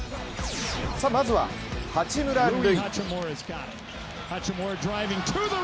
まずは八村塁。